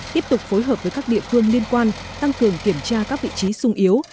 tiếp tục phối hợp với các địa phương liên quan tăng cường kiểm tra các vị trí sung yếu